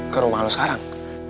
ke rumah lo sekarang